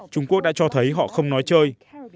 trung quốc đã cho thấy họ không nói chơi